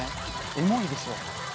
エモいでしょ。